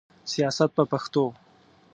سیاست په پښتو.